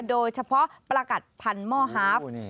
โดยเฉพาะปลากัดพันธุ์หม้อหาฟ